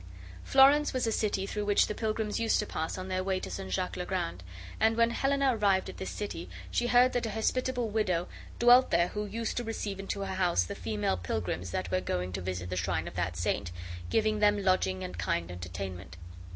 Florence was a city through which the pilgrims used to pass on their way to St. Jaques le Grand; and when Helena arrived at this city she heard that a hospitable widow dwelt there who used to receive into her house the female pilgrims that were going to visit the shrine of that saint, giving them lodging and kind entertainment.